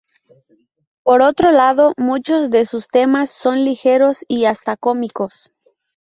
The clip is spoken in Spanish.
Por otro lado, muchos de sus temas son ligeros y hasta cómicos.